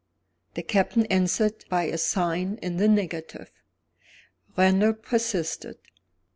The Captain answered by a sign in the negative. Randal persisted.